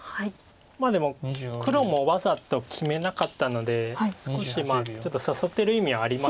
でも黒もわざと決めなかったので少しちょっと誘ってる意味はあります。